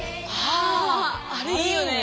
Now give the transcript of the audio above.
ああれいいよね。